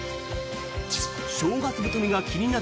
正月太りが気になる